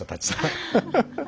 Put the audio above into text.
ハハハハッ。